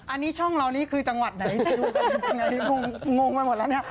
อันนี้ช่องเรานี่คือจังหวัดไหนจะดูกันยังไงงงไปหมดแล้วเนี่ย